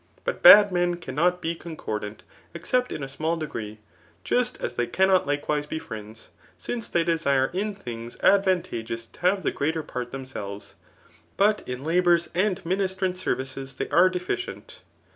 But bad men cannot be concordant, except in a small degree; just as they cannot likewise be friends ; since they desire in things advantageous to have the greater part themselves, but in labours and ministrant services they are deficient.